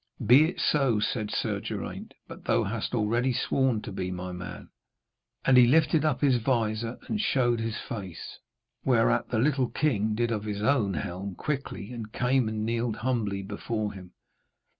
'Be it so!' said Sir Geraint, 'but thou hast already sworn to be my man.' And he lifted up his vizor and showed his face, whereat the little king did off his own helm quickly and came and kneeled humbly before him.